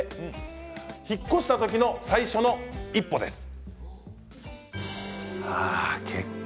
引っ越した時の最初の一歩です。